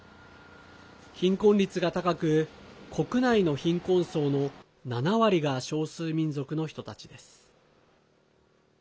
貧困率が高く国内の貧困層の７割が少数民族の人たちです。